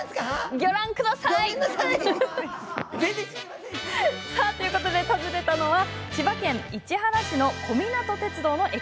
ギョめんなさい！ということで訪ねたのは千葉県市原市の小湊鐵道の駅。